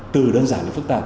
từ đơn giản đến phức tạp